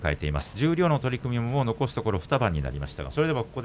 十両の取組残すところ２番になりました。